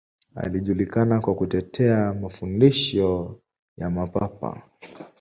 Alijulikana kwa kutetea mafundisho ya Mapapa.